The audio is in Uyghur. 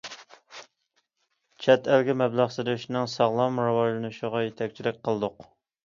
چەت ئەلگە مەبلەغ سېلىشنىڭ ساغلام راۋاجلىنىشىغا يېتەكچىلىك قىلدۇق.